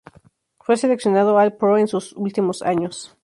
Fue seleccionado All-Pro en sus últimos años.